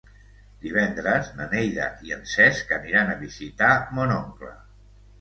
Divendres na Neida i en Cesc aniran a visitar mon oncle.